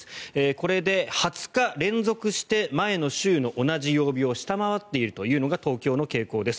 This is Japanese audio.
これで２０日連続して前の週の同じ曜日を下回っているというのが東京の傾向です。